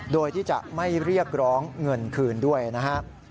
โดยที่จะไม่เรียกร้องเงินคืนด้วยนะครับ